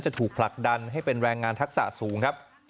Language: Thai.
ถูกผลักดันให้เป็นแรงงานทักษะสูงครับ